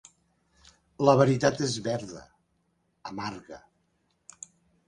La veritat és verda (amarga)